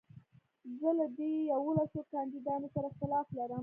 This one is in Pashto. زه له دې يوولسو کانديدانو سره اختلاف لرم.